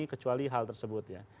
kecuali hal tersebut ya